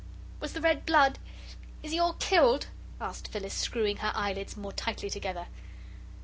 "Was the red, blood? Is he all killed?" asked Phyllis, screwing her eyelids more tightly together.